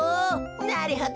なるほど。